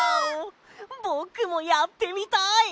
ぼくもやってみたい！